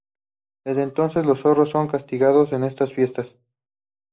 Desde entonces, los zorros son castigados en estas fiestas.